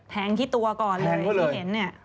แทงที่ตัวก่อนเลยที่เห็นเนี่ย